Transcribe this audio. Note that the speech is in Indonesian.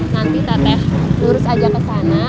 nanti teh lurus aja kesana